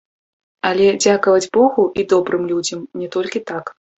Але, дзякаваць богу і добрым людзям, не толькі так.